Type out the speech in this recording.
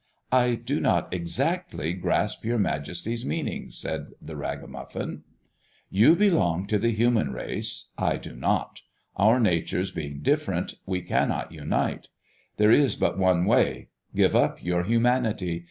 "I do not exactly grasp your Majesty's meaning," said the ragamuffin. "You belong to the human race. I do not. Our natures being different, we cannot unite. There is but one way. Give up your humanity.